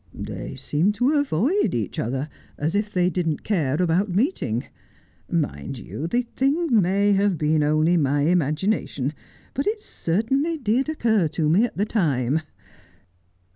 They seemed to avoid each other, as if they didn't cais about meeting. Mind you, the thing may have been only my imagina tion, but it certainly did occur to me at the time.